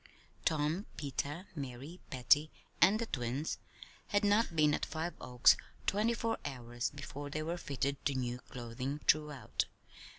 Tom, Peter, Mary, Patty, and the twins had not been at Five Oaks twenty four hours before they were fitted to new clothing throughout.